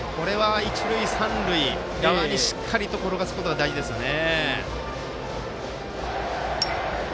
一塁三塁側にしっかりと転がすことが大事ですよね。